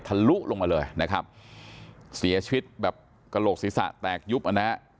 ลุลงมาเลยนะครับเสียชีวิตแบบกระโหลกศีรษะแตกยุบนะฮะ